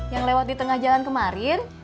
yang lewat di tengah jalan kemarin